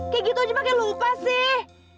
kayak gitu aja makanya lupa sih